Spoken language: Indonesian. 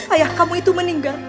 ayah kamu itu meninggal